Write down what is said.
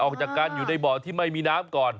ออกจากการอยู่ในบ่อที่ไม่มีน้ำก่อน